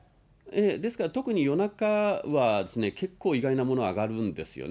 ですから、特に夜中はですね、結構、意外なものが上がるんですよね。